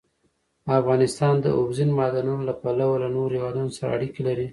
افغانستان د اوبزین معدنونه له پلوه له نورو هېوادونو سره اړیکې لري.